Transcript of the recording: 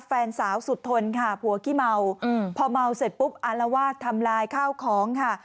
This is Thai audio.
แฟนสาวสุดทนค่ะผัวขี้เมาพอเมาเสร็จปุ๊บอารวาสทำลายข้าวของค่ะ